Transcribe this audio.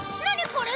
これ！